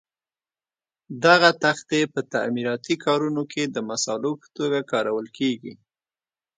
دغه تختې په تعمیراتي کارونو کې د مسالو په توګه کارول کېږي.